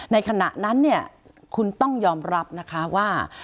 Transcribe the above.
ในขณะนั้นเนี่ยคุณต้องยอมรับนะคะว่า